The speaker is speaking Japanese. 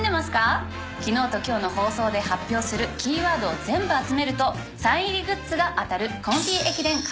昨日と今日の放送で発表するキーワードを全部集めるとサイン入りグッズが当たる。